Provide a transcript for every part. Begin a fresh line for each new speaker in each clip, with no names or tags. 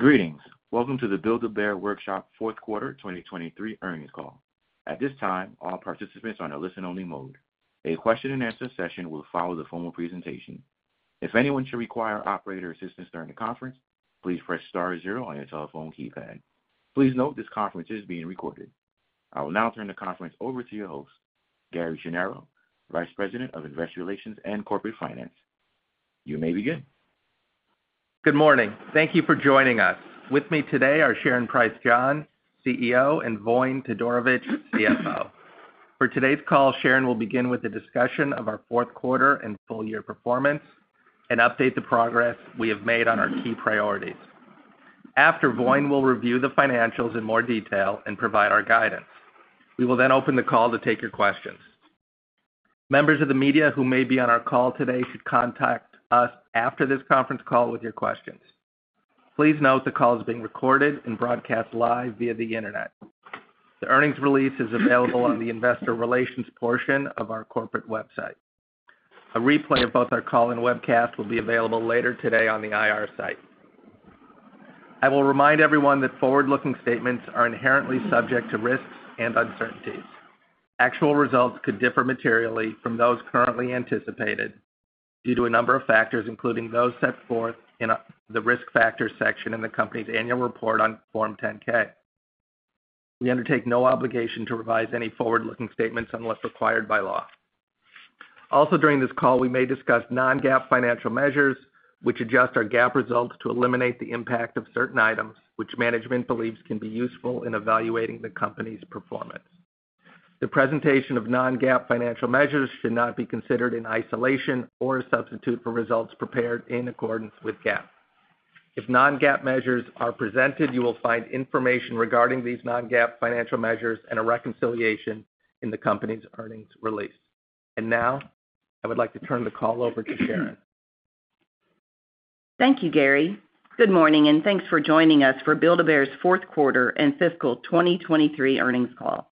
Greetings! Welcome to the Build-A-Bear Workshop Fourth Quarter 2023 earnings call. At this time, all participants are on a listen-only mode. A question-and-answer session will follow the formal presentation. If anyone should require operator assistance during the conference, please press star zero on your telephone keypad. Please note this conference is being recorded. I will now turn the conference over to your host, Gary Schnierow, Vice President of Investor Relations and Corporate Finance. You may begin.
Good morning. Thank you for joining us. With me today are Sharon Price John, CEO, and Voin Todorovic, CFO. For today's call, Sharon will begin with a discussion of our fourth quarter and full year performance and update the progress we have made on our key priorities. After, Voin will review the financials in more detail and provide our guidance. We will then open the call to take your questions. Members of the media who may be on our call today should contact us after this conference call with your questions. Please note the call is being recorded and broadcast live via the Internet. The earnings release is available on the investor relations portion of our corporate website. A replay of both our call and webcast will be available later today on the IR site. I will remind everyone that forward-looking statements are inherently subject to risks and uncertainties. Actual results could differ materially from those currently anticipated due to a number of factors, including those set forth in the Risk Factors section in the company's annual report on Form 10-K. We undertake no obligation to revise any forward-looking statements unless required by law. Also, during this call, we may discuss non-GAAP financial measures, which adjust our GAAP results to eliminate the impact of certain items, which management believes can be useful in evaluating the company's performance. The presentation of non-GAAP financial measures should not be considered in isolation or a substitute for results prepared in accordance with GAAP. If non-GAAP measures are presented, you will find information regarding these non-GAAP financial measures and a reconciliation in the company's earnings release. And now, I would like to turn the call over to Sharon.
Thank you, Gary. Good morning, and thanks for joining us for Build-A-Bear's Fourth Quarter and Fiscal 2023 earnings call.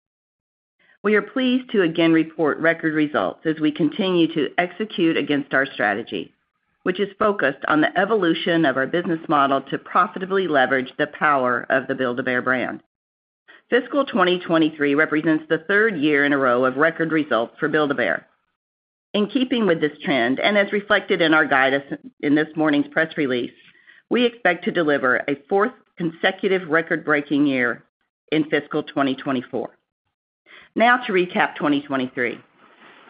We are pleased to again report record results as we continue to execute against our strategy, which is focused on the evolution of our business model to profitably leverage the power of the Build-A-Bear brand. Fiscal 2023 represents the third year in a row of record results for Build-A-Bear. In keeping with this trend, and as reflected in our guidance in this morning's press release, we expect to deliver a fourth consecutive record-breaking year in fiscal 2024. Now to recap 2023.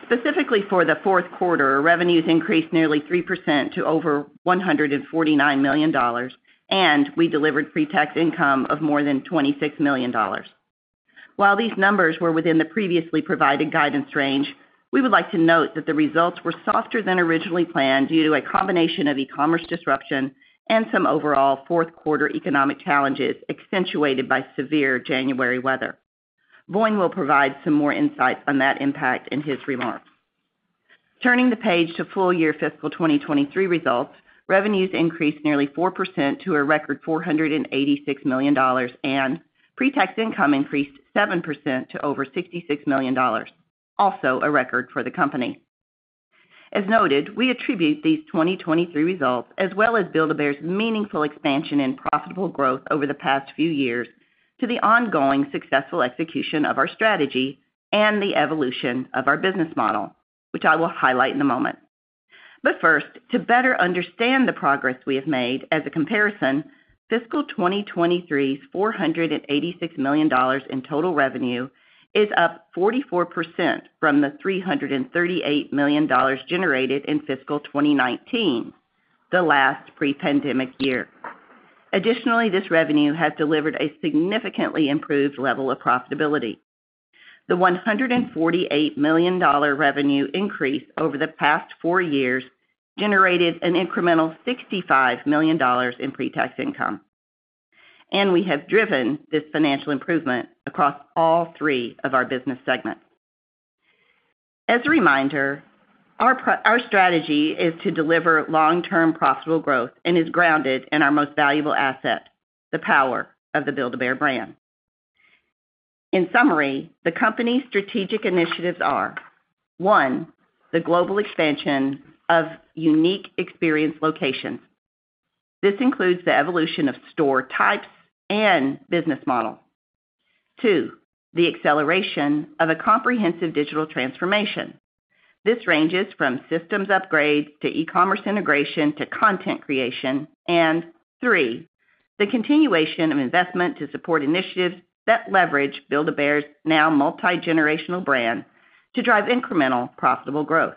Specifically for the fourth quarter, our revenues increased nearly 3% to over $149 million, and we delivered pre-tax income of more than $26 million. While these numbers were within the previously provided guidance range, we would like to note that the results were softer than originally planned due to a combination of e-commerce disruption and some overall fourth-quarter economic challenges, accentuated by severe January weather. Voin will provide some more insights on that impact in his remarks. Turning the page to full-year fiscal 2023 results, revenues increased nearly 4% to a record $486 million, and pre-tax income increased 7% to over $66 million, also a record for the company. As noted, we attribute these 2023 results, as well as Build-A-Bear's meaningful expansion and profitable growth over the past few years, to the ongoing successful execution of our strategy and the evolution of our business model, which I will highlight in a moment. But first, to better understand the progress we have made as a comparison, fiscal 2023's $486 million in total revenue is up 44% from the $338 million generated in fiscal 2019, the last pre-pandemic year. Additionally, this revenue has delivered a significantly improved level of profitability. The $148 million revenue increase over the past four years generated an incremental $65 million in pre-tax income, and we have driven this financial improvement across all three of our business segments. As a reminder, our strategy is to deliver long-term profitable growth and is grounded in our most valuable asset, the power of the Build-A-Bear brand. In summary, the company's strategic initiatives are: one, the global expansion of unique experience locations. This includes the evolution of store types and business model. two, the acceleration of a comprehensive digital transformation. This ranges from systems upgrades to e-commerce integration to content creation. And three, the continuation of investment to support initiatives that leverage Build-A-Bear's now multi-generational brand to drive incremental, profitable growth.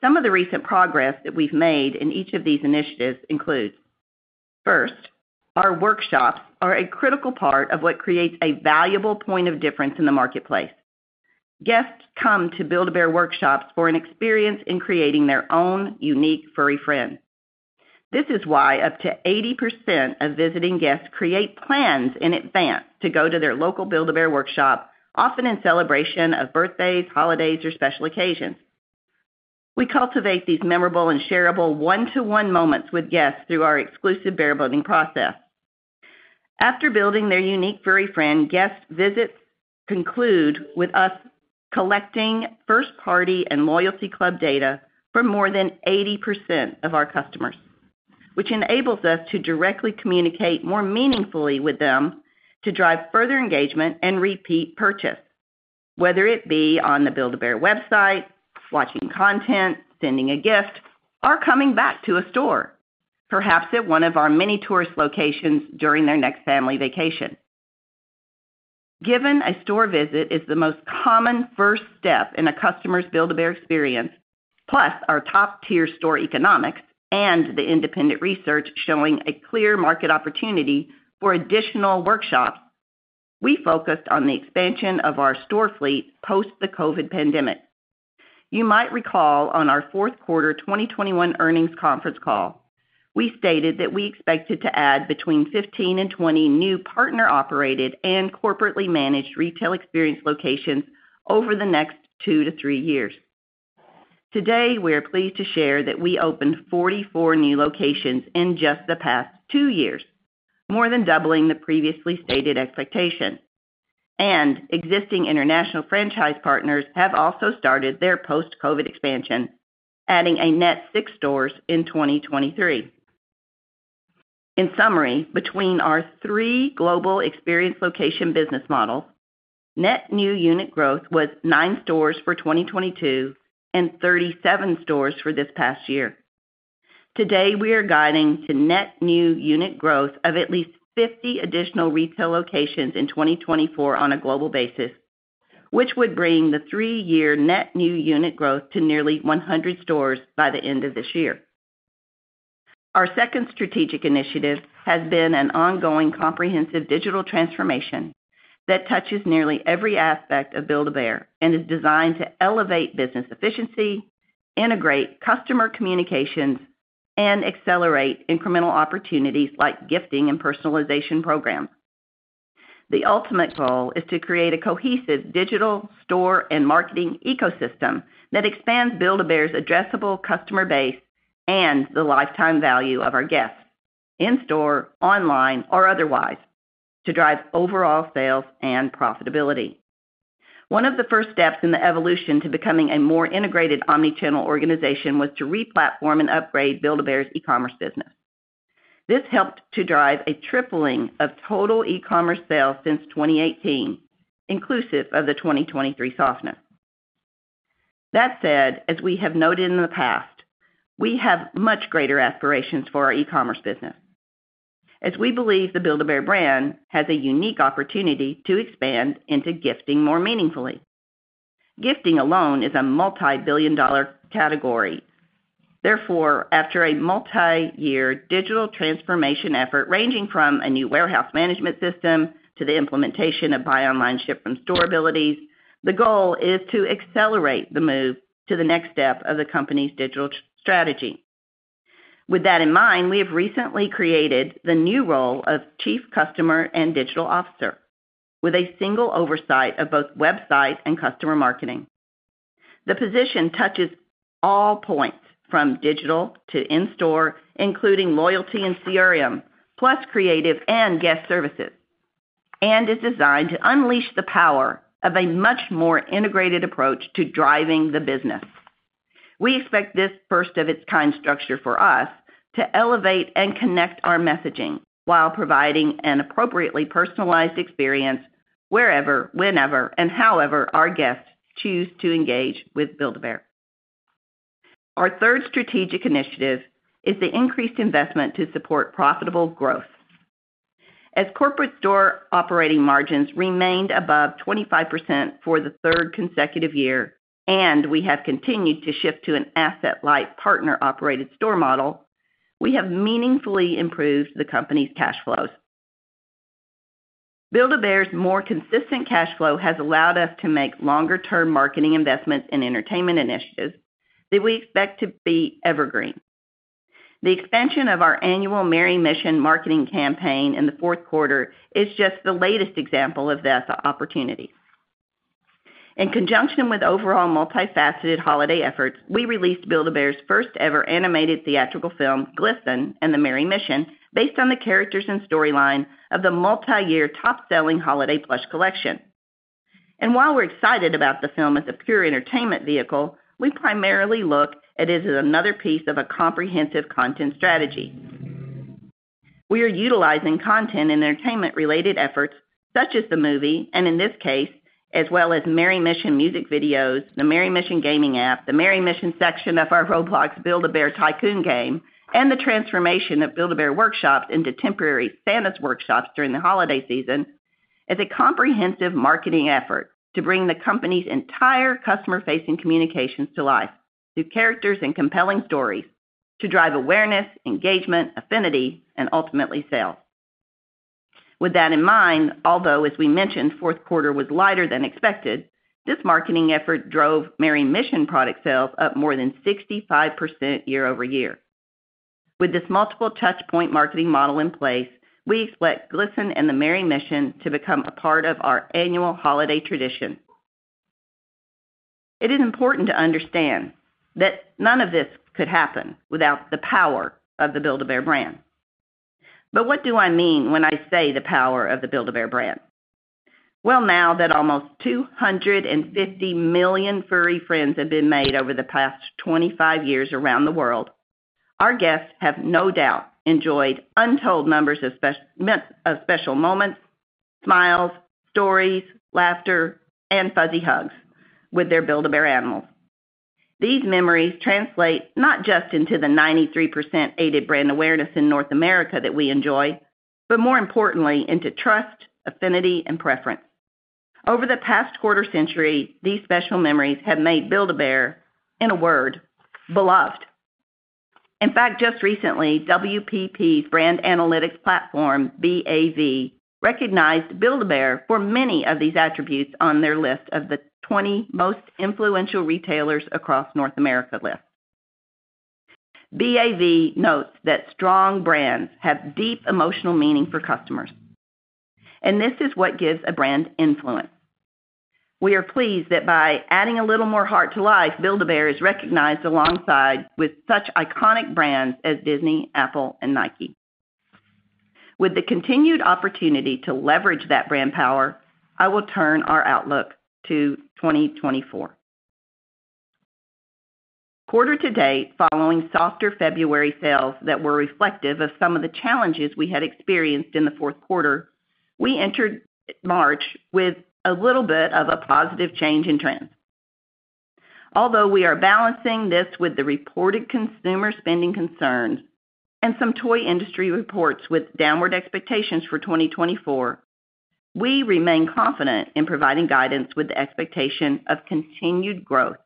Some of the recent progress that we've made in each of these initiatives includes, first, our workshops are a critical part of what creates a valuable point of difference in the marketplace. Guests come to Build-A-Bear workshops for an experience in creating their own unique furry friend. This is why up to 80% of visiting guests create plans in advance to go to their local Build-A-Bear Workshop, often in celebration of birthdays, holidays, or special occasions. We cultivate these memorable and shareable one-to-one moments with guests through our exclusive bear-building process.... After building their unique furry friend, guest visits conclude with us collecting first-party and loyalty club data from more than 80% of our customers, which enables us to directly communicate more meaningfully with them to drive further engagement and repeat purchase, whether it be on the Build-A-Bear website, watching content, sending a gift, or coming back to a store, perhaps at one of our many tourist locations during their next family vacation. Given a store visit is the most common first step in a customer's Build-A-Bear experience, plus our top-tier store economics and the independent research showing a clear market opportunity for additional workshops, we focused on the expansion of our store fleet post the COVID pandemic. You might recall on our fourth quarter 2021 earnings conference call, we stated that we expected to add between 15 and 20 new partner-operated and corporately managed retail experience locations over the next 2-3 years. Today, we are pleased to share that we opened 44 new locations in just the past two years, more than doubling the previously stated expectation. Existing international franchise partners have also started their post-COVID expansion, adding a net six stores in 2023. In summary, between our three global experience location business model, net new unit growth was nine stores for 2022 and 37 stores for this past year. Today, we are guiding to net new unit growth of at least 50 additional retail locations in 2024 on a global basis, which would bring the three-year net new unit growth to nearly 100 stores by the end of this year. Our second strategic initiative has been an ongoing, comprehensive digital transformation that touches nearly every aspect of Build-A-Bear and is designed to elevate business efficiency, integrate customer communications, and accelerate incremental opportunities like gifting and personalization programs. The ultimate goal is to create a cohesive digital store and marketing ecosystem that expands Build-A-Bear's addressable customer base and the lifetime value of our guests in store, online, or otherwise, to drive overall sales and profitability. One of the first steps in the evolution to becoming a more integrated omnichannel organization was to re-platform and upgrade Build-A-Bear's e-commerce business. This helped to drive a tripling of total e-commerce sales since 2018, inclusive of the 2023 softness. That said, as we have noted in the past, we have much greater aspirations for our e-commerce business, as we believe the Build-A-Bear brand has a unique opportunity to expand into gifting more meaningfully. Gifting alone is a multibillion-dollar category. Therefore, after a multiyear digital transformation effort, ranging from a new warehouse management system to the implementation of buy online, ship-from-store abilities, the goal is to accelerate the move to the next step of the company's digital strategy. With that in mind, we have recently created the new role of Chief Customer and Digital Officer, with a single oversight of both website and customer marketing. The position touches all points, from digital to in-store, including loyalty and CRM, plus creative and guest services, and is designed to unleash the power of a much more integrated approach to driving the business. We expect this first-of-its-kind structure for us to elevate and connect our messaging while providing an appropriately personalized experience wherever, whenever, and however our guests choose to engage with Build-A-Bear. Our third strategic initiative is the increased investment to support profitable growth. As corporate store operating margins remained above 25% for the third consecutive year, and we have continued to shift to an asset-light, partner-operated store model, we have meaningfully improved the company's cash flows. Build-A-Bear's more consistent cash flow has allowed us to make longer-term marketing investments and entertainment initiatives that we expect to be evergreen. The expansion of our annual Merry Mission marketing campaign in the fourth quarter is just the latest example of this opportunity. In conjunction with overall multifaceted holiday efforts, we released Build-A-Bear's first-ever animated theatrical film, Glisten and the Merry Mission, based on the characters and storyline of the multiyear top-selling holiday plush collection. And while we're excited about the film as a pure entertainment vehicle, we primarily look at it as another piece of a comprehensive content strategy. We are utilizing content and entertainment-related efforts, such as the movie, and in this case, as well as Merry Mission music videos, the Merry Mission gaming app, the Merry Mission section of our Roblox Build-A-Bear Tycoon game, and the transformation of Build-A-Bear workshops into temporary Santa's workshops during the holiday season, as a comprehensive marketing effort to bring the company's entire customer-facing communications to life through characters and compelling stories to drive awareness, engagement, affinity, and ultimately, sales. With that in mind, although, as we mentioned, fourth quarter was lighter than expected, this marketing effort drove Merry Mission product sales up more than 65% year-over-year. With this multiple touchpoint marketing model in place, we expect Glisten and the Merry Mission to become a part of our annual holiday tradition. It is important to understand that none of this could happen without the power of the Build-A-Bear brand. But what do I mean when I say the power of the Build-A-Bear brand? Well, now that almost 250 million furry friends have been made over the past 25 years around the world, our guests have no doubt enjoyed untold numbers of special moments, smiles, stories, laughter, and fuzzy hugs with their Build-A-Bear animals. These memories translate not just into the 93% aided brand awareness in North America that we enjoy, but more importantly, into trust, affinity, and preference. Over the past quarter-century, these special memories have made Build-A-Bear, in a word, beloved. In fact, just recently, WPP's brand analytics platform, BAV, recognized Build-A-Bear for many of these attributes on their list of the 20 most influential retailers across North America list. BAV notes that strong brands have deep emotional meaning for customers, and this is what gives a brand influence. We are pleased that by adding a little more heart to life, Build-A-Bear is recognized alongside with such iconic brands as Disney, Apple, and Nike. With the continued opportunity to leverage that brand power, I will turn our outlook to 2024. Quarter to date, following softer February sales that were reflective of some of the challenges we had experienced in the fourth quarter, we entered March with a little bit of a positive change in trend. Although we are balancing this with the reported consumer spending concerns and some toy industry reports with downward expectations for 2024, we remain confident in providing guidance with the expectation of continued growth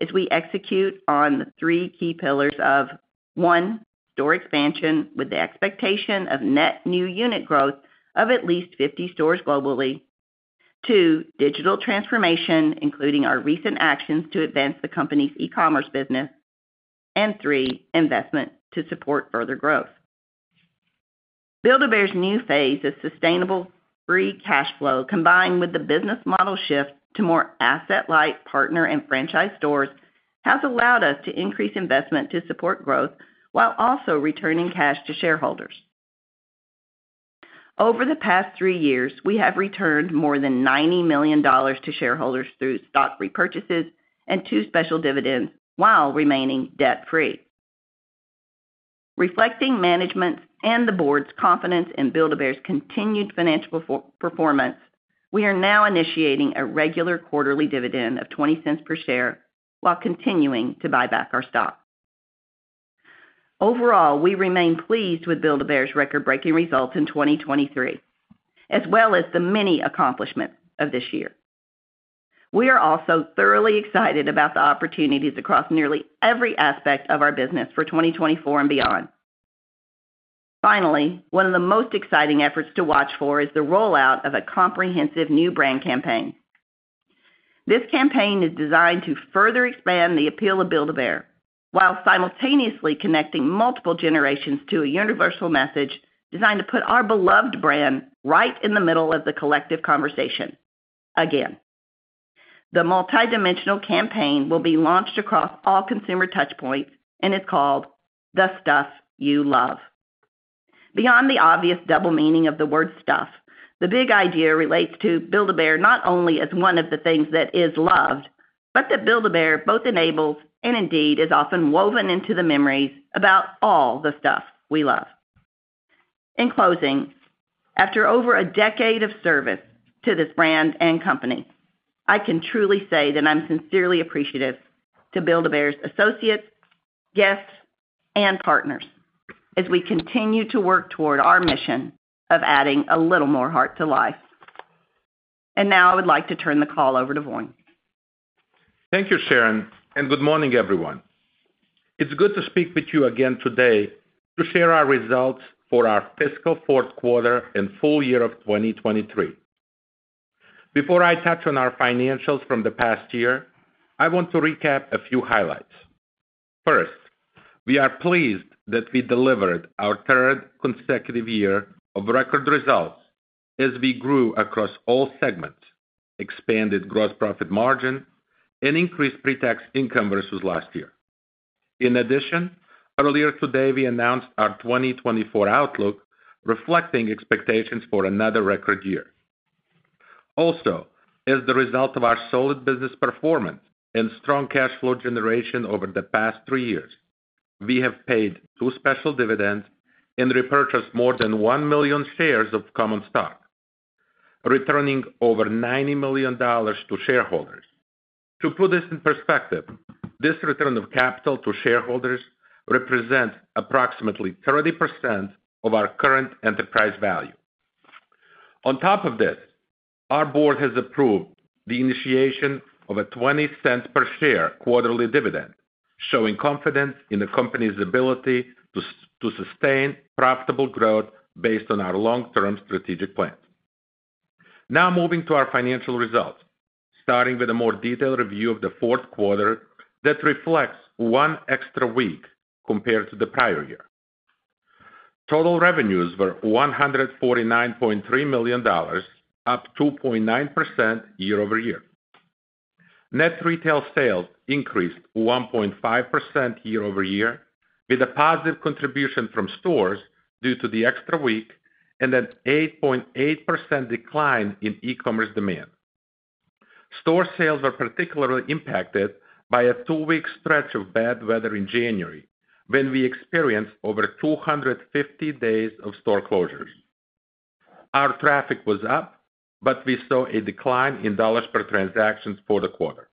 as we execute on the three key pillars of: one, store expansion, with the expectation of net new unit growth of at least 50 stores globally. two, digital transformation, including our recent actions to advance the company's e-commerce business. And three, investment to support further growth. Build-A-Bear's new phase of sustainable free cash flow, combined with the business model shift to more asset-light partner and franchise stores, has allowed us to increase investment to support growth while also returning cash to shareholders. Over the past three years, we have returned more than $90 million to shareholders through stock repurchases and two special dividends while remaining debt-free. Reflecting management's and the board's confidence in Build-A-Bear's continued financial performance, we are now initiating a regular quarterly dividend of $0.20 per share while continuing to buy back our stock. Overall, we remain pleased with Build-A-Bear's record-breaking results in 2023, as well as the many accomplishments of this year. We are also thoroughly excited about the opportunities across nearly every aspect of our business for 2024 and beyond. Finally, one of the most exciting efforts to watch for is the rollout of a comprehensive new brand campaign. This campaign is designed to further expand the appeal of Build-A-Bear, while simultaneously connecting multiple generations to a universal message designed to put our beloved brand right in the middle of the collective conversation. Again, the multidimensional campaign will be launched across all consumer touchpoints and is called The Stuff You Love. Beyond the obvious double meaning of the word stuff, the big idea relates to Build-A-Bear not only as one of the things that is loved, but that Build-A-Bear both enables and indeed is often woven into the memories about all the stuff we love. In closing, after over a decade of service to this brand and company, I can truly say that I'm sincerely appreciative to Build-A-Bear's associates, guests, and partners as we continue to work toward our mission of adding a little more heart to life. And now I would like to turn the call over to Voin.
Thank you, Sharon, and good morning, everyone. It's good to speak with you again today to share our results for our fiscal fourth quarter and full year of 2023. Before I touch on our financials from the past year, I want to recap a few highlights. First, we are pleased that we delivered our third consecutive year of record results as we grew across all segments, expanded gross profit margin, and increased pre-tax income versus last year. In addition, earlier today, we announced our 2024 outlook, reflecting expectations for another record year. Also, as the result of our solid business performance and strong cash flow generation over the past three years, we have paid two special dividends and repurchased more than 1 million shares of common stock, returning over $90 million to shareholders. To put this in perspective, this return of capital to shareholders represent approximately 30% of our current enterprise value. On top of this, our board has approved the initiation of a $0.20 per share quarterly dividend, showing confidence in the company's ability to sustain profitable growth based on our long-term strategic plan. Now moving to our financial results, starting with a more detailed review of the fourth quarter that reflects one extra week compared to the prior year. Total revenues were $149.3 million, up 2.9% year-over-year. Net retail sales increased 1.5% year-over-year, with a positive contribution from stores due to the extra week and an 8.8% decline in e-commerce demand. Store sales were particularly impacted by a two-week stretch of bad weather in January, when we experienced over 250 days of store closures. Our traffic was up, but we saw a decline in dollars per transaction for the quarter.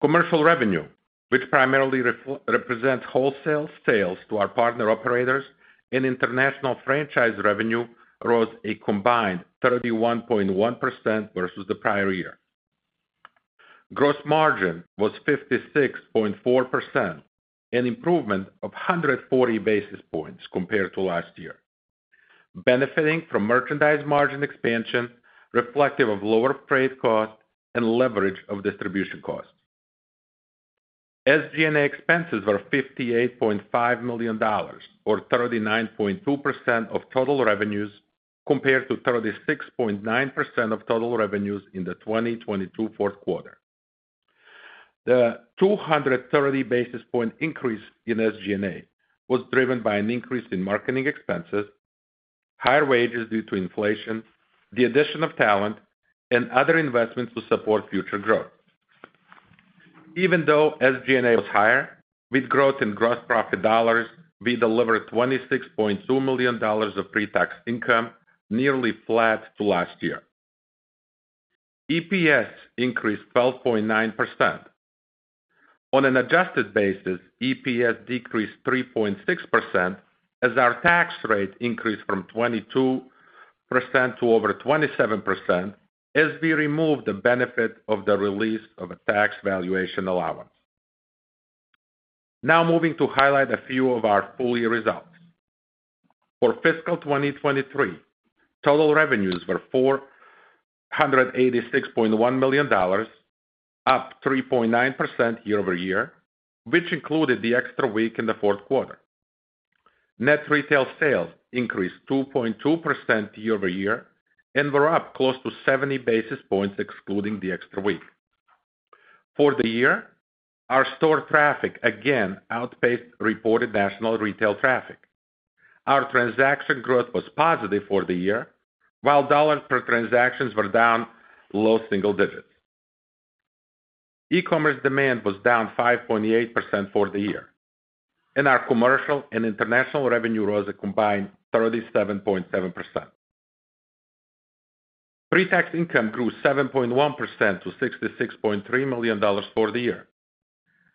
Commercial revenue, which primarily represents wholesale sales to our partner operators and international franchise revenue, rose a combined 31.1% versus the prior year. Gross margin was 56.4%, an improvement of 140 basis points compared to last year, benefiting from merchandise margin expansion, reflective of lower freight costs and leverage of distribution costs. SG&A expenses were $58.5 million, or 39.2% of total revenues, compared to 36.9% of total revenues in the 2022 fourth quarter. The 230 basis point increase in SG&A was driven by an increase in marketing expenses, higher wages due to inflation, the addition of talent, and other investments to support future growth. Even though SG&A was higher, with growth in gross profit dollars, we delivered $26.2 million of pre-tax income, nearly flat to last year. EPS increased 12.9%. On an adjusted basis, EPS decreased 3.6% as our tax rate increased from 22% to over 27% as we removed the benefit of the release of a tax valuation allowance. Now moving to highlight a few of our full-year results. For fiscal 2023, total revenues were $486.1 million, up 3.9% year-over-year, which included the extra week in the fourth quarter. Net retail sales increased 2.2% year-over-year and were up close to 70 basis points, excluding the extra week. For the year, our store traffic again outpaced reported national retail traffic. Our transaction growth was positive for the year, while dollars per transaction were down low single digits. E-commerce demand was down 5.8% for the year, and our commercial and international revenue rose a combined 37.7%. Pre-tax income grew 7.1% to $66.3 million for the year.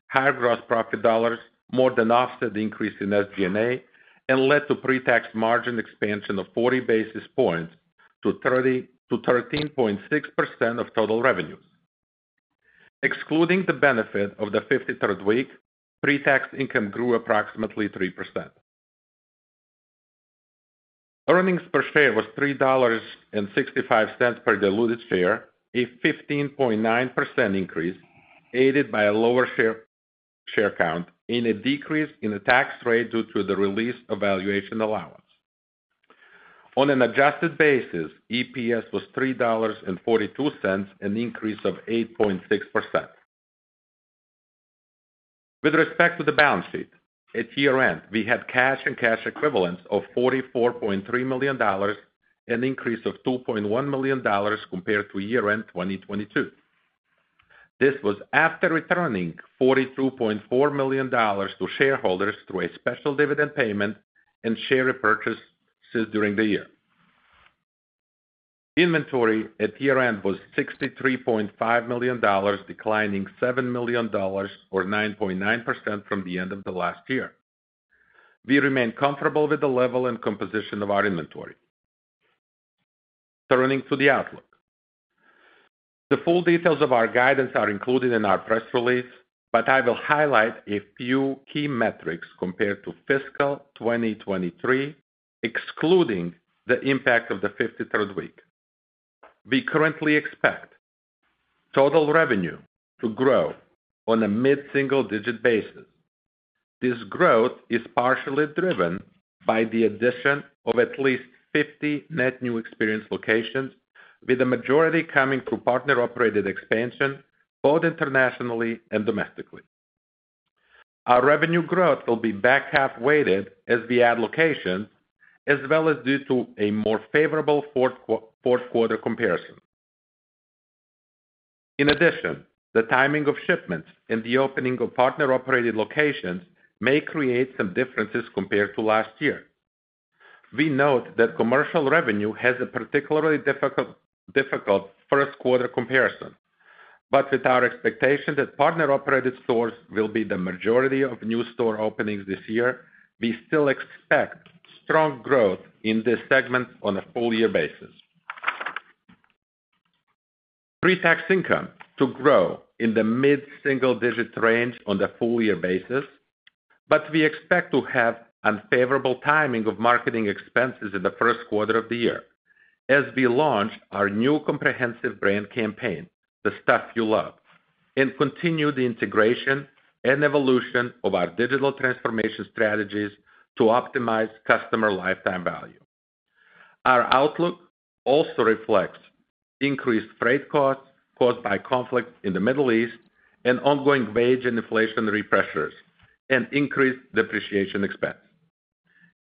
Higher gross profit dollars more than offset the increase in SG&A and led to pre-tax margin expansion of 40 basis points to 13.2%-13.6% of total revenues. Excluding the benefit of the 53rd week, pre-tax income grew approximately 3%. Earnings per share was $3.65 per diluted share, a 15.9% increase, aided by a lower share count and a decrease in the tax rate due to the release of valuation allowance. On an adjusted basis, EPS was $3.42, an increase of 8.6%. With respect to the balance sheet, at year-end, we had cash and cash equivalents of $44.3 million, an increase of $2.1 million compared to year-end 2022. This was after returning $42.4 million to shareholders through a special dividend payment and share repurchases during the year. Inventory at year-end was $63.5 million, declining $7 million or 9.9% from the end of the last year. We remain comfortable with the level and composition of our inventory. Turning to the outlook. The full details of our guidance are included in our press release, but I will highlight a few key metrics compared to fiscal 2023, excluding the impact of the 53rd week. We currently expect total revenue to grow on a mid-single-digit basis. This growth is partially driven by the addition of at least 50 net new experience locations, with the majority coming through partner-operated expansion, both internationally and domestically. Our revenue growth will be back-half weighted as we add locations, as well as due to a more favorable fourth quarter comparison. In addition, the timing of shipments and the opening of partner-operated locations may create some differences compared to last year. We note that commercial revenue has a particularly difficult first quarter comparison, but with our expectation that partner-operated stores will be the majority of new store openings this year, we still expect strong growth in this segment on a full year basis. Pre-tax income to grow in the mid-single digit range on a full year basis, but we expect to have unfavorable timing of marketing expenses in the first quarter of the year, as we launched our new comprehensive brand campaign, The Stuff You Love, and continue the integration and evolution of our digital transformation strategies to optimize customer lifetime value. Our outlook also reflects increased freight costs caused by conflict in the Middle East and ongoing wage and inflationary pressures and increased depreciation expense.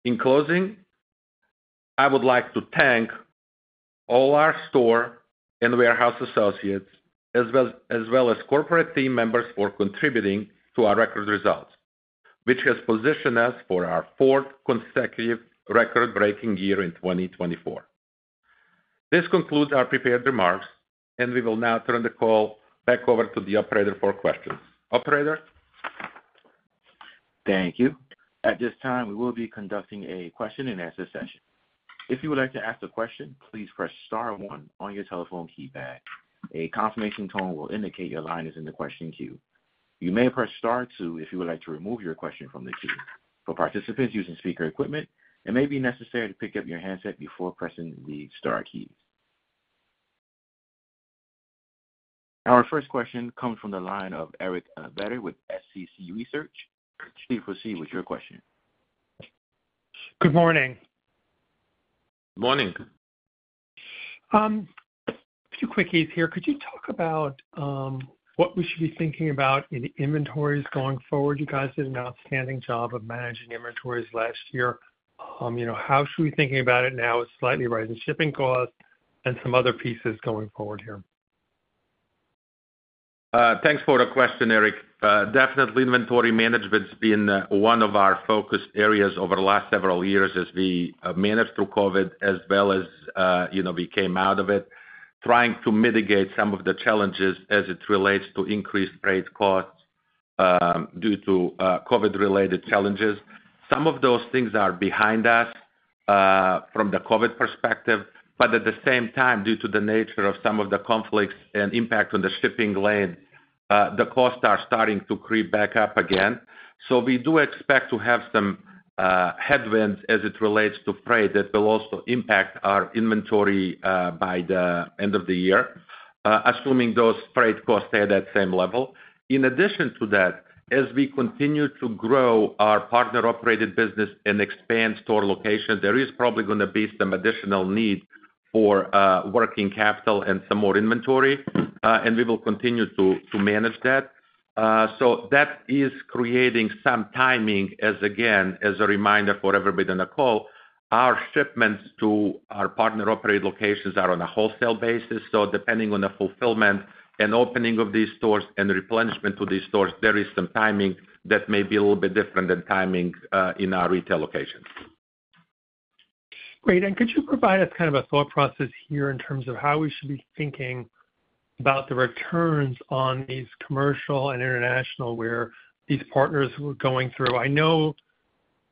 In closing, I would like to thank all our store and warehouse associates, as well, as well as corporate team members for contributing to our record results, which has positioned us for our fourth consecutive record-breaking year in 2024. This concludes our prepared remarks, and we will now turn the call back over to the operator for questions. Operator?
Thank you. At this time, we will be conducting a question-and-answer session. If you would like to ask a question, please press star one on your telephone keypad. A confirmation tone will indicate your line is in the question queue. You may press star two if you would like to remove your question from the queue. For participants using speaker equipment, it may be necessary to pick up your handset before pressing the star key. Our first question comes from the line of Eric Beder with Small Cap Consumer Research. Please proceed with your question.
Good morning.
Morning.
A few quickies here. Could you talk about what we should be thinking about in inventories going forward? You guys did an outstanding job of managing inventories last year. You know, how should we be thinking about it now with slightly rising shipping costs and some other pieces going forward here?
Thanks for the question, Eric. Definitely, inventory management's been one of our focus areas over the last several years as we managed through COVID as well as, you know, we came out of it, trying to mitigate some of the challenges as it relates to increased freight costs due to COVID-related challenges. Some of those things are behind us from the COVID perspective, but at the same time, due to the nature of some of the conflicts and impact on the shipping lane, the costs are starting to creep back up again. So we do expect to have some headwinds as it relates to freight that will also impact our inventory by the end of the year, assuming those freight costs stay at that same level. In addition to that, as we continue to grow our partner-operated business and expand store location, there is probably gonna be some additional need for working capital and some more inventory, and we will continue to manage that. So that is creating some timing as, again, as a reminder for everybody on the call, our shipments to our partner-operated locations are on a wholesale basis. So depending on the fulfillment and opening of these stores and replenishment to these stores, there is some timing that may be a little bit different than timing in our retail locations.
Great. And could you provide us kind of a thought process here in terms of how we should be thinking about the returns on these commercial and international, where these partners were going through? I know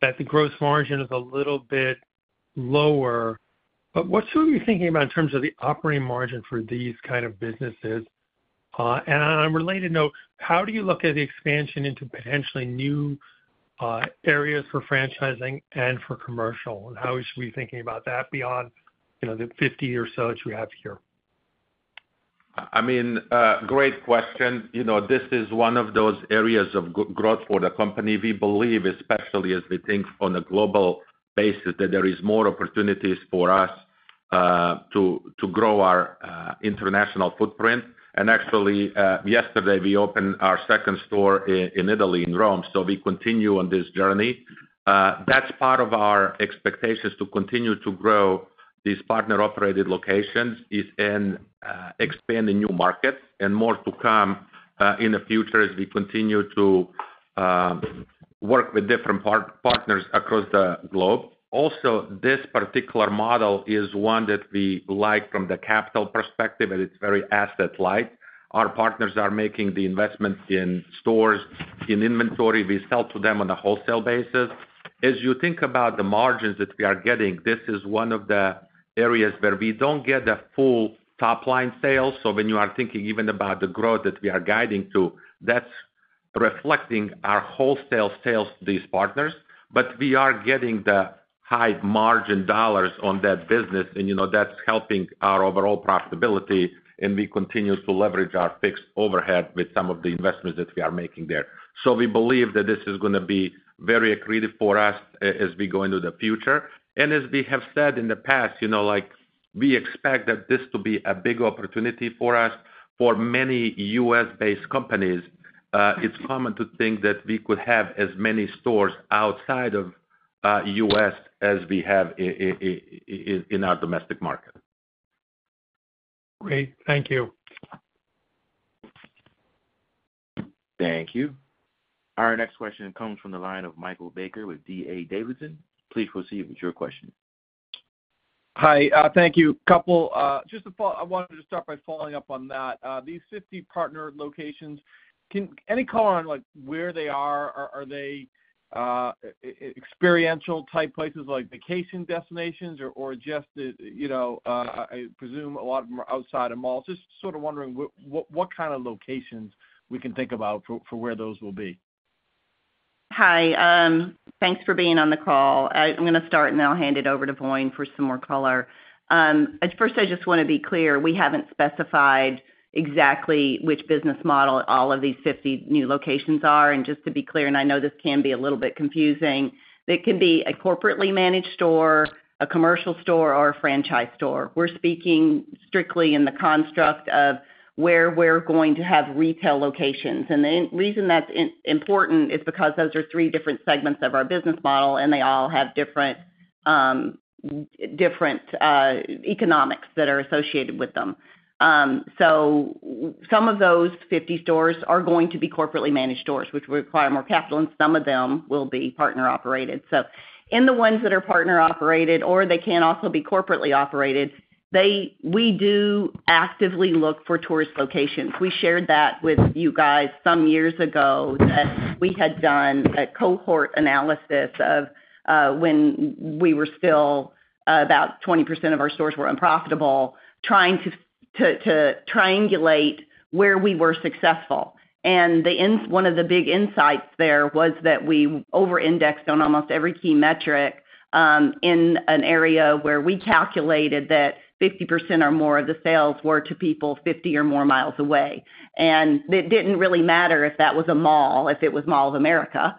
that the gross margin is a little bit lower, but what should we be thinking about in terms of the operating margin for these kind of businesses? And on a related note, how do you look at the expansion into potentially new areas for franchising and for commercial, and how should we be thinking about that beyond, you know, the 50 or so that you have here?
I mean, great question. You know, this is one of those areas of growth for the company. We believe, especially as we think on a global basis, that there is more opportunities for us to grow our international footprint. And actually, yesterday, we opened our second store in Italy, in Rome, so we continue on this journey. That's part of our expectations to continue to grow these partner-operated locations is in expanding new markets and more to come in the future as we continue to work with different partners across the globe. Also, this particular model is one that we like from the capital perspective, and it's very asset light. Our partners are making the investments in stores, in inventory. We sell to them on a wholesale basis. As you think about the margins that we are getting, this is one of the areas where we don't get the full top-line sales. So when you are thinking even about the growth that we are guiding to, that's reflecting our wholesale sales to these partners. But we are getting the high-margin dollars on that business, and, you know, that's helping our overall profitability, and we continue to leverage our fixed overhead with some of the investments that we are making there. So we believe that this is gonna be very accretive for us as we go into the future. And as we have said in the past, you know, like, we expect that this to be a big opportunity for us. For many U.S.-based companies, it's common to think that we could have as many stores outside of U.S. as we have in our domestic market.
Great. Thank you.
Thank you. Our next question comes from the line of Michael Baker with D.A. Davidson. Please proceed with your question.
Hi, thank you. I wanted to start by following up on that. These 50 partner locations, can any color on, like, where they are? Are they experiential type places, like vacation destinations or just the, you know, I presume a lot of them are outside of malls. Just sort of wondering what kind of locations we can think about for where those will be?...
Hi, thanks for being on the call. I'm going to start, and then I'll hand it over to Voin for some more color. At first, I just want to be clear, we haven't specified exactly which business model all of these 50 new locations are. And just to be clear, and I know this can be a little bit confusing, it can be a corporately managed store, a commercial store, or a franchise store. We're speaking strictly in the construct of where we're going to have retail locations. And the reason that's important is because those are three different segments of our business model, and they all have different economics that are associated with them. So some of those 50 stores are going to be corporately managed stores, which require more capital, and some of them will be partner-operated. So in the ones that are partner-operated, or they can also be corporately operated, we do actively look for tourist locations. We shared that with you guys some years ago, that we had done a cohort analysis of when we were still about 20% of our stores were unprofitable, trying to triangulate where we were successful. And one of the big insights there was that we overindexed on almost every key metric in an area where we calculated that 50% or more of the sales were to people 50 or more miles away. And it didn't really matter if that was a mall, if it was Mall of America,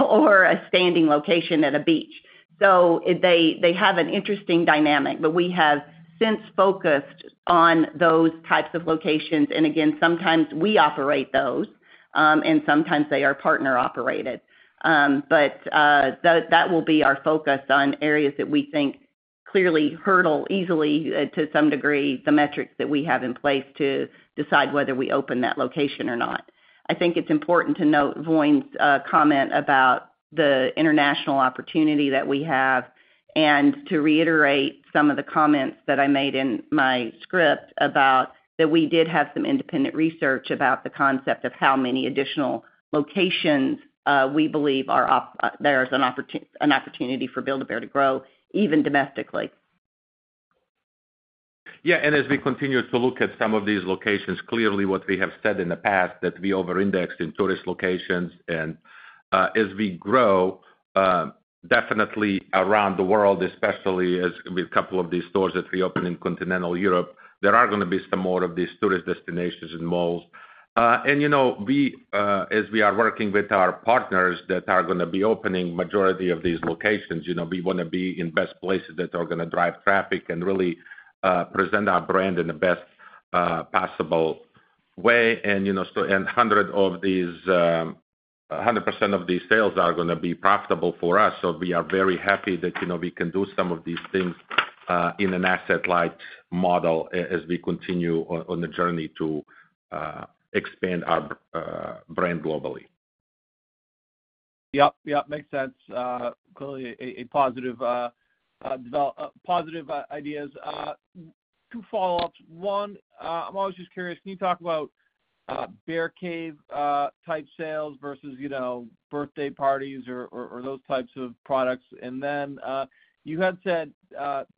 or a standing location at a beach. So they have an interesting dynamic, but we have since focused on those types of locations. And again, sometimes we operate those, and sometimes they are partner-operated. But, that will be our focus on areas that we think clearly hurdle easily, to some degree, the metrics that we have in place to decide whether we open that location or not. I think it's important to note Voin's comment about the international opportunity that we have, and to reiterate some of the comments that I made in my script about that we did have some independent research about the concept of how many additional locations we believe there is an opportunity for Build-A-Bear to grow, even domestically.
Yeah, and as we continue to look at some of these locations, clearly what we have said in the past, that we overindexed in tourist locations. And, as we grow, definitely around the world, especially as with a couple of these stores that we open in Continental Europe, there are going to be some more of these tourist destinations and malls. And, you know, we, as we are working with our partners that are going to be opening majority of these locations, you know, we want to be in best places that are going to drive traffic and really, present our brand in the best, possible way. And, you know, so, and 100% of these, 100% of these sales are going to be profitable for us. So we are very happy that, you know, we can do some of these things in an asset-light model as we continue on the journey to expand our brand globally.
Yep, yep, makes sense. Clearly a positive. Positive ideas. Two follow-ups. One, I'm always just curious. Can you talk about Bear Cave type sales versus, you know, birthday parties or those types of products? And then, you had said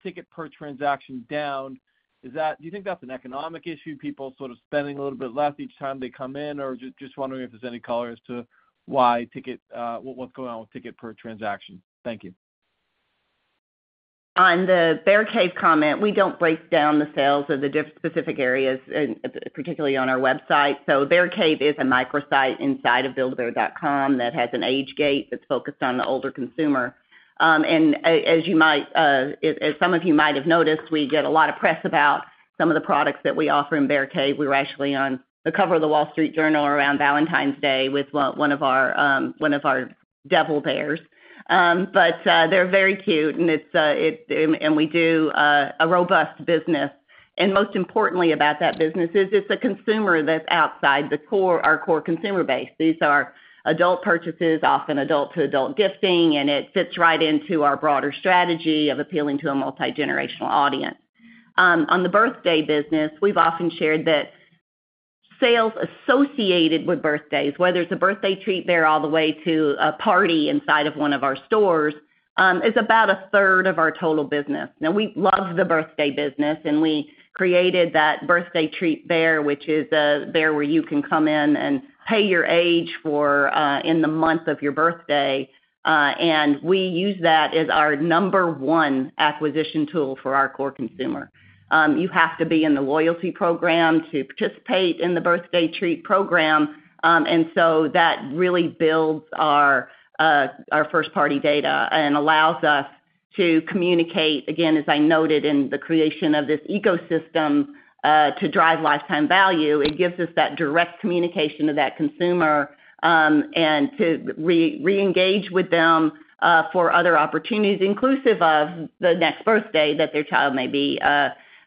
ticket per transaction down. Is that? Do you think that's an economic issue, people sort of spending a little bit less each time they come in? Or just wondering if there's any color as to why ticket—what's going on with ticket per transaction? Thank you.
On the Bear Cave comment, we don't break down the sales of the specific areas, and particularly on our website. So Bear Cave is a microsite inside of buildabear.com that has an age gate that's focused on the older consumer. And as some of you might have noticed, we get a lot of press about some of the products that we offer in Bear Cave. We were actually on the cover of The Wall Street Journal around Valentine's Day with one of our devil bears. But they're very cute, and we do a robust business. And most importantly about that business is it's a consumer that's outside the core, our core consumer base. These are adult purchases, often adult-to-adult gifting, and it fits right into our broader strategy of appealing to a multigenerational audience. On the birthday business, we've often shared that sales associated with birthdays, whether it's a Birthday Treat Bear all the way to a party inside of one of our stores, is about a third of our total business. Now, we love the birthday business, and we created that Birthday Treat Bear, which is a bear where you can come in and pay your age for, in the month of your birthday, and we use that as our number one acquisition tool for our core consumer. You have to be in the loyalty program to participate in the Birthday Treat program, and so that really builds our first-party data and allows us to communicate, again, as I noted in the creation of this ecosystem, to drive lifetime value. It gives us that direct communication to that consumer, and to reengage with them for other opportunities, inclusive of the next birthday, that their child may be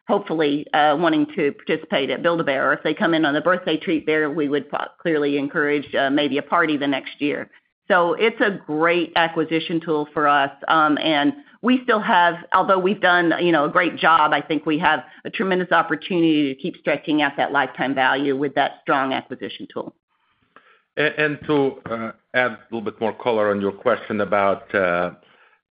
hopefully wanting to participate at Build-A-Bear. Or if they come in on a Birthday Treat Bear, we would clearly encourage maybe a party the next year. So it's a great acquisition tool for us, and we still have... Although we've done, you know, a great job, I think we have a tremendous opportunity to keep stretching out that lifetime value with that strong acquisition tool. And to add a little bit more color on your question about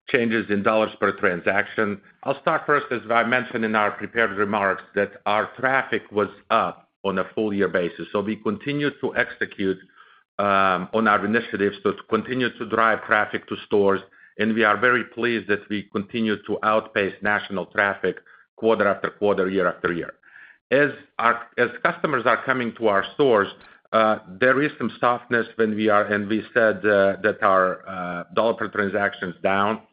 changes in dollars per transaction. I'll start first, as I mentioned in our prepared remarks, that our traffic was up on a full year basis. So we continued to execute on our initiatives to continue to drive traffic to stores, and we are very pleased that we continue to outpace national traffic quarter after quarter, year after year. As our customers are coming to our stores, there is some softness, and we said that our dollar per transaction is down.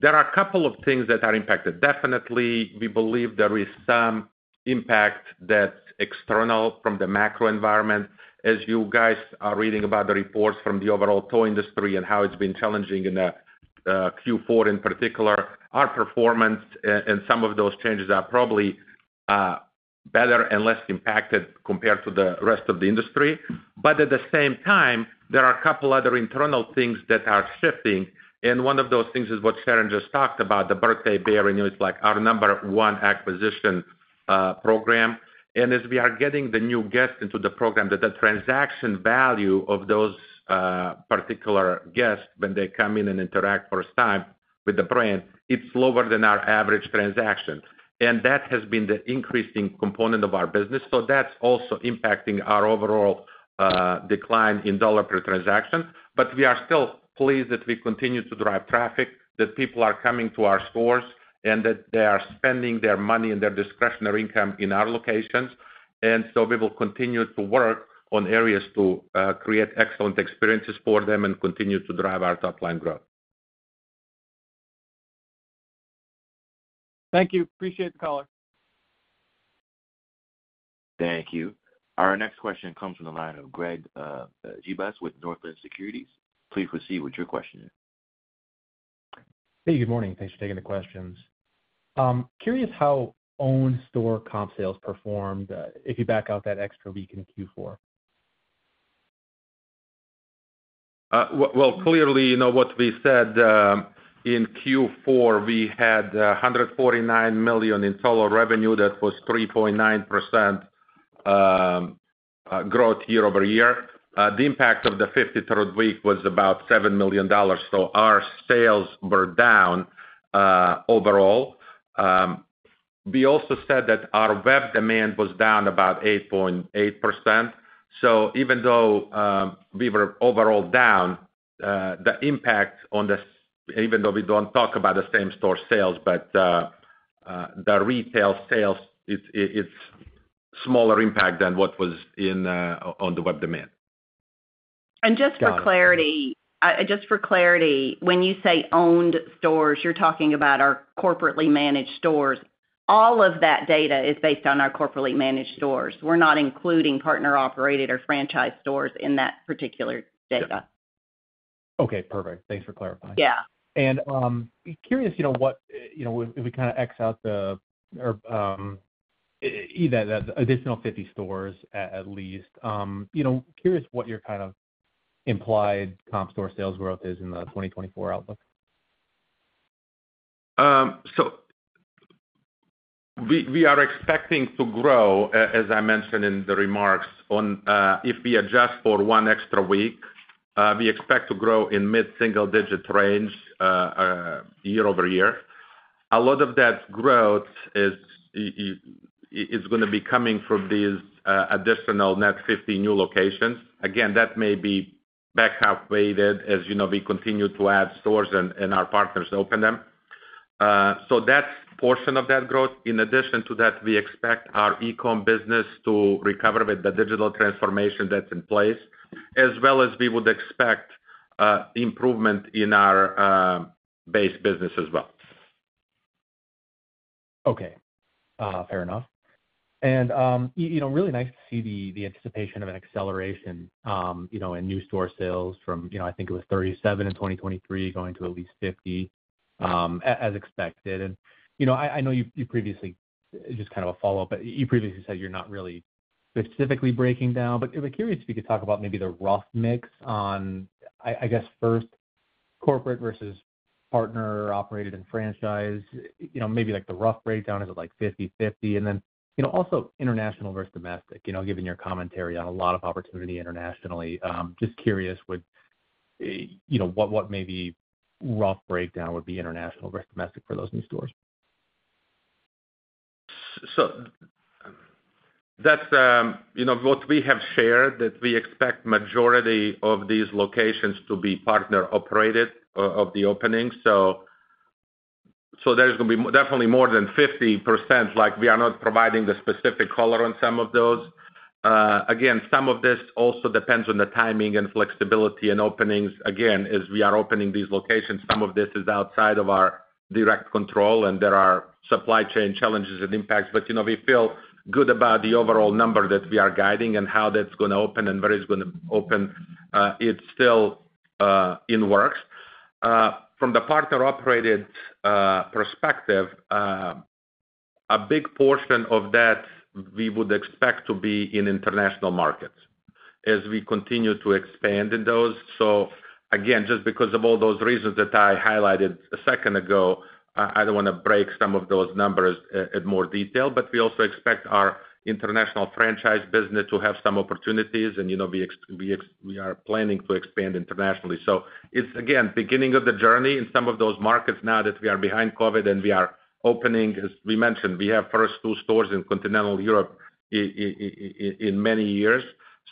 There are a couple of things that are impacted. Definitely, we believe there is some impact that's external from the macro environment. As you guys are reading about the reports from the overall toy industry and how it's been challenging in Q4 in particular, our performance and some of those changes are probably better and less impacted compared to the rest of the industry. But at the same time, there are a couple other internal things that are shifting, and one of those things is what Sharon just talked about, the Birthday Bear, and it's like our number one acquisition program. And as we are getting the new guest into the program, that the transaction value of those particular guests when they come in and interact first time with the brand, it's lower than our average transaction. And that has been the increasing component of our business. So that's also impacting our overall decline in dollar per transaction. But we are still pleased that we continue to drive traffic, that people are coming to our stores, and that they are spending their money and their discretionary income in our locations. And so we will continue to work on areas to create excellent experiences for them and continue to drive our top line growth.
Thank you. Appreciate the color.
Thank you. Our next question comes from the line of Greg Gibas with Northland Securities. Please proceed with your question.
Hey, good morning. Thanks for taking the questions. Curious how owned store comp sales performed, if you back out that extra week in Q4?
Well, clearly, you know what we said in Q4, we had $149 million in total revenue. That was 3.9% growth year-over-year. The impact of the 53rd week was about $7 million, so our sales were down overall. We also said that our web demand was down about 8.8%. So even though we were overall down, the impact on the even though we don't talk about the same store sales, but the retail sales, it's, it, it's smaller impact than what was in on the web demand.
Just for clarity, just for clarity, when you say owned stores, you're talking about our corporately managed stores. All of that data is based on our corporately managed stores. We're not including partner-operated or franchise stores in that particular data.
Okay, perfect. Thanks for clarifying.
Yeah.
Curious, you know, what, you know, if we kind of X out the... or either the additional 50 stores at least, you know, curious what your kind of implied comp store sales growth is in the 2024 outlook?
So we are expecting to grow, as I mentioned in the remarks, on if we adjust for one extra week, we expect to grow in mid-single-digit range year-over-year. A lot of that growth is gonna be coming from these additional net 50 new locations. Again, that may be back-half-weighted, as you know, we continue to add stores and our partners open them. So that's portion of that growth. In addition to that, we expect our e-com business to recover with the digital transformation that's in place, as well as we would expect improvement in our base business as well.
Okay, fair enough. And, you know, really nice to see the anticipation of an acceleration, you know, in new store sales from, you know, I think it was 37 in 2023, going to at least 50, as expected. And, you know, I know you previously, just kind of a follow-up, but you previously said you're not really specifically breaking down. But I was curious if you could talk about maybe the rough mix on, I guess, first, corporate versus partner-operated and franchise, you know, maybe like the rough breakdown, is it like 50/50? And then, you know, also international versus domestic, you know, given your commentary on a lot of opportunity internationally. Just curious, you know, what rough breakdown would be international versus domestic for those new stores?
So that's, you know, what we have shared, that we expect majority of these locations to be partner-operated, of the openings. So there's gonna be definitely more than 50%, like, we are not providing the specific color on some of those. Again, some of this also depends on the timing and flexibility and openings. Again, as we are opening these locations, some of this is outside of our direct control, and there are supply chain challenges and impacts. But, you know, we feel good about the overall number that we are guiding and how that's gonna open and where it's gonna open. It's still in the works. From the partner-operated perspective, a big portion of that we would expect to be in international markets as we continue to expand in those. So again, just because of all those reasons that I highlighted a second ago, I don't want to break some of those numbers in more detail, but we also expect our international franchise business to have some opportunities, and, you know, we are planning to expand internationally. So it's, again, beginning of the journey in some of those markets now that we are behind COVID, and we are opening, as we mentioned, we have first two stores in Continental Europe in many years.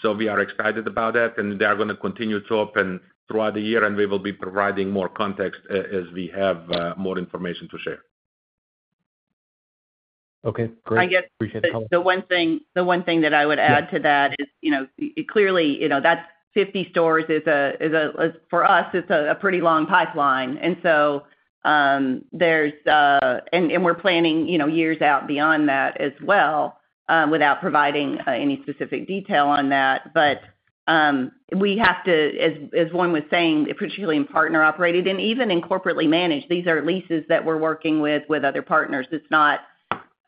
So we are excited about that, and they are going to continue to open throughout the year, and we will be providing more context as we have more information to share.
Okay, great.
I guess-
Appreciate the color.
The one thing, the one thing that I would add to that-
Yeah...
is, you know, clearly, you know, that's 50 stores is a, for us, it's a pretty long pipeline. And so, there's and we're planning, you know, years out beyond that as well, without providing any specific detail on that. But, we have to, as Voin was saying, particularly in partner-operated and even in corporately managed, these are leases that we're working with other partners. It's not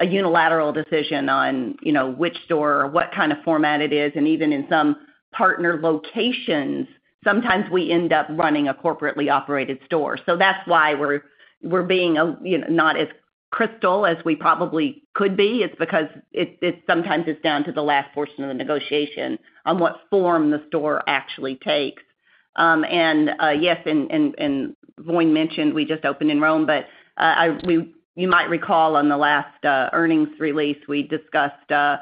a unilateral decision on, you know, which store or what kind of format it is, and even in some partner locations, sometimes we end up running a corporately operated store. So that's why we're being, you know, not as crystal as we probably could be. It's because it sometimes it's down to the last portion of the negotiation on what form the store actually takes. Yes, Voin mentioned we just opened in Rome, but you might recall on the last earnings release, we discussed the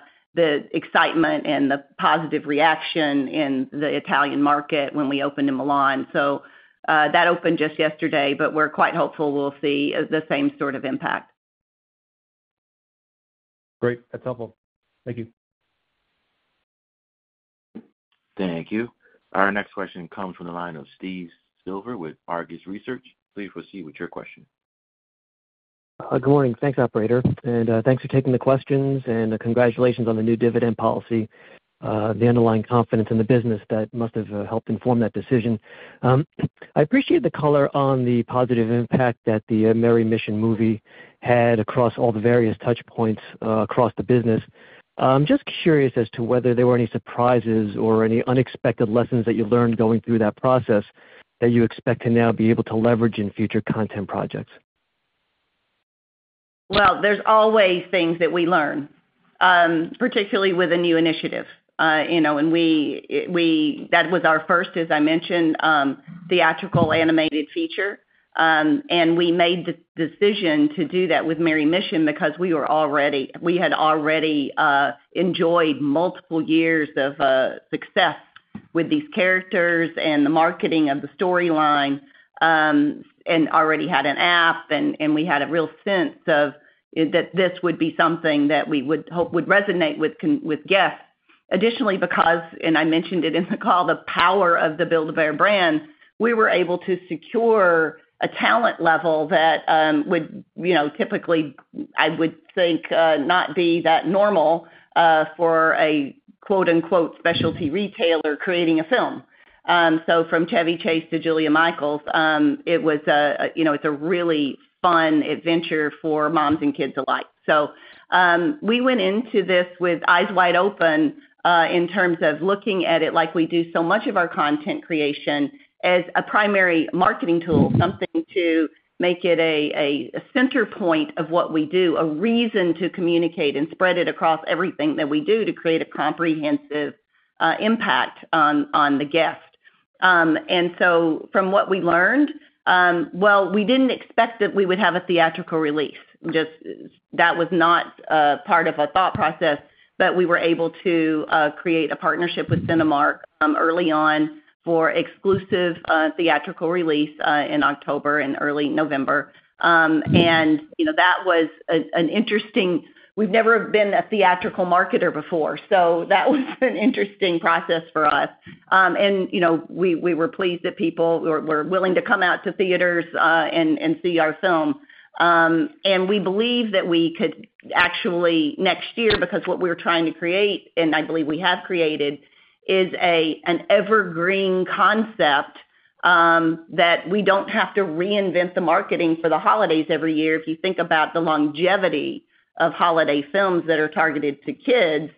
excitement and the positive reaction in the Italian market when we opened in Milan. So, that opened just yesterday, but we're quite hopeful we'll see the same sort of impact.
Great. That's helpful. Thank you.
Thank you. Our next question comes from the line of Steve Silver with Argus Research. Please proceed with your question.
Good morning. Thanks, operator, and thanks for taking the questions, and congratulations on the new dividend policy, the underlying confidence in the business that must have helped inform that decision. I appreciate the color on the positive impact that the Merry Mission movie had across all the various touchpoints, across the business. I'm just curious as to whether there were any surprises or any unexpected lessons that you learned going through that process that you expect to now be able to leverage in future content projects.
Well, there's always things that we learn, particularly with a new initiative. You know, and we, we-- that was our first, as I mentioned, theatrical animated feature, and we made the decision to do that with Merry Mission because we were already-- we had already enjoyed multiple years of success with these characters and the marketing of the storyline, and already had an app, and we had a real sense of that this would be something that we would hope would resonate with con- with guests. Additionally, because, and I mentioned it in the call, the power of the Build-A-Bear brand, we were able to secure a talent level that would, you know, typically, I would think, not be that normal for a, quote-unquote, "specialty retailer" creating a film. So from Chevy Chase to Julia Michaels, you know, it's a really fun adventure for moms and kids alike. So we went into this with eyes wide open in terms of looking at it like we do so much of our content creation, as a primary marketing tool, something to make it a center point of what we do, a reason to communicate and spread it across everything that we do to create a comprehensive impact on the guest. And so from what we learned, well, we didn't expect that we would have a theatrical release. Just that was not part of our thought process, but we were able to create a partnership with Cinemark early on, for exclusive theatrical release in October and early November. You know, that was an interesting... We've never been a theatrical marketer before, so that was an interesting process for us. You know, we were pleased that people were willing to come out to theaters and see our film. We believe that we could actually, next year, because what we're trying to create, and I believe we have created, is an evergreen concept that we don't have to reinvent the marketing for the holidays every year. If you think about the longevity of holiday films that are targeted to kids,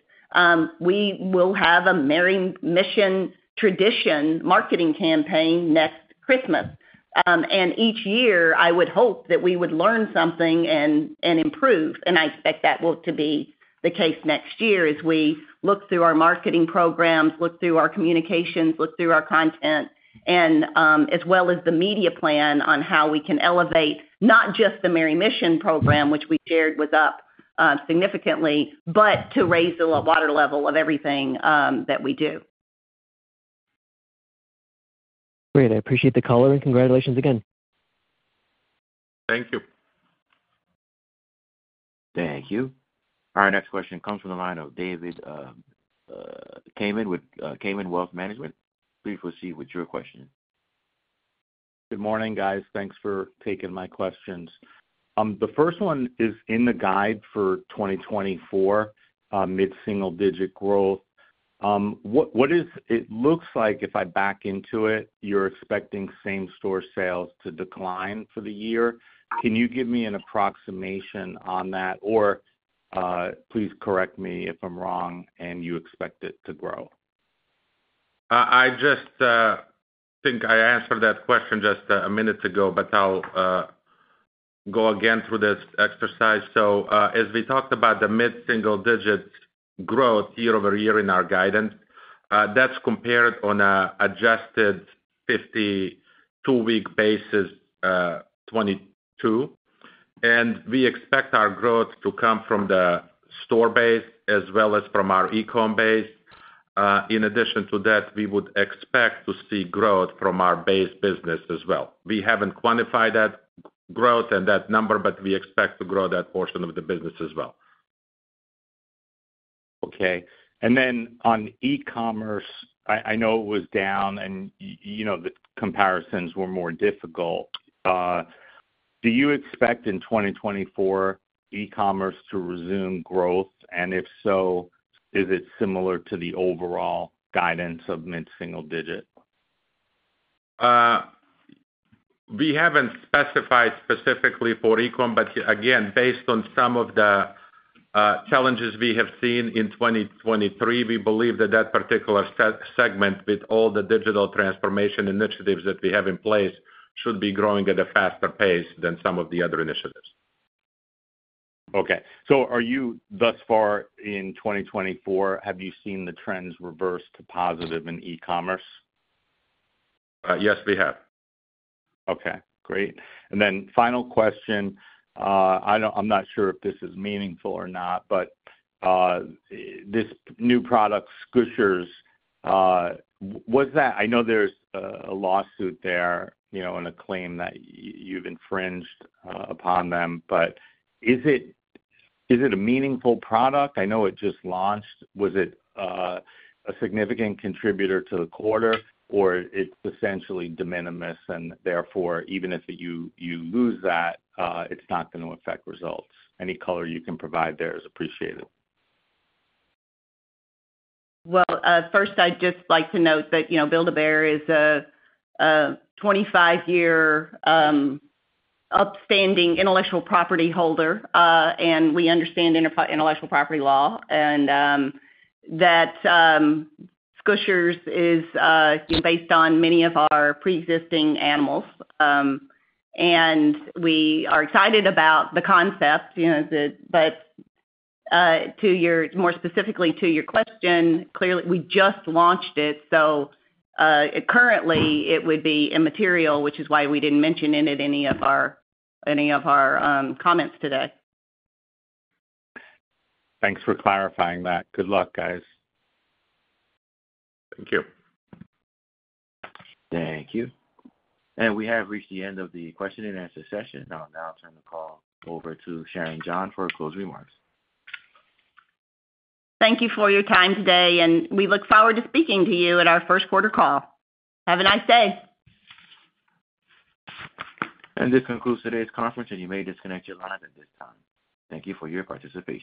we will have a Merry Mission tradition marketing campaign next Christmas. Each year, I would hope that we would learn something and improve. I expect that will to be the case next year as we look through our marketing programs, look through our communications, look through our content, and as well as the media plan on how we can elevate not just the Merry Mission program, which we shared was up significantly, but to raise the water level of everything that we do.
Great. I appreciate the color, and congratulations again.
Thank you.
Thank you. Our next question comes from the line of David Kanen with Kanen Wealth Management. Please proceed with your question.
Good morning, guys. Thanks for taking my questions. The first one is, in the guide for 2024, mid-single-digit growth, what is it? It looks like if I back into it, you're expecting same-store sales to decline for the year. Can you give me an approximation on that, or please correct me if I'm wrong, and you expect it to grow.
I just think I answered that question just a minute ago, but I'll go again through this exercise. So, as we talked about the mid-single-digit growth year-over-year in our guidance, that's compared on an adjusted 52-week basis, 2022. And we expect our growth to come from the store base as well as from our e-com base. In addition to that, we would expect to see growth from our base business as well. We haven't quantified that growth and that number, but we expect to grow that portion of the business as well.
Okay. And then on e-commerce, I know it was down and you know, the comparisons were more difficult. Do you expect in 2024 e-commerce to resume growth? And if so, is it similar to the overall guidance of mid-single-digit?
We haven't specified specifically for e-com, but again, based on some of the challenges we have seen in 2023, we believe that that particular segment, with all the digital transformation initiatives that we have in place, should be growing at a faster pace than some of the other initiatives.
Okay. So are you thus far in 2024, have you seen the trends reverse to positive in e-commerce?
Yes, we have.
Okay, great. And then final question. I'm not sure if this is meaningful or not, but this new product, Skoosherz, I know there's a lawsuit there, you know, and a claim that you've infringed upon them, but is it a meaningful product? I know it just launched. Was it a significant contributor to the quarter, or it's essentially de minimis, and therefore, even if you lose that, it's not going to affect results? Any color you can provide there is appreciated.
Well, first, I'd just like to note that, you know, Build-A-Bear is a 25-year upstanding intellectual property holder, and we understand intellectual property law. And that Skoosherz is based on many of our pre-existing animals. And we are excited about the concept, you know, that, but more specifically to your question, clearly, we just launched it, so currently it would be immaterial, which is why we didn't mention it at any of our comments today.
Thanks for clarifying that. Good luck, guys.
Thank you.
Thank you. We have reached the end of the question-and-answer session. I'll now turn the call over to Sharon John for closing remarks.
Thank you for your time today, and we look forward to speaking to you at our first quarter call. Have a nice day.
This concludes today's conference, and you may disconnect your line at this time. Thank you for your participation.